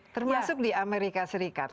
termasuk di amerika serikat